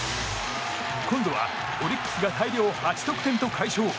今度はオリックスが大量８得点と快勝。